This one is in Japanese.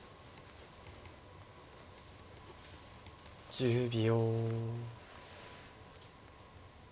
１０秒。